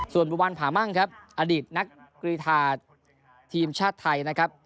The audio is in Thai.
ส่วนบุวันผามั่งครับอดีตนักกรีธาทีมชาติไทยนะครับ